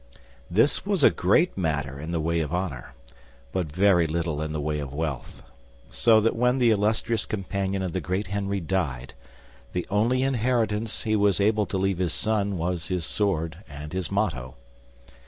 This was a great matter in the way of honor, but very little in the way of wealth; so that when the illustrious companion of the great Henry died, the only inheritance he was able to leave his son was his sword and his motto.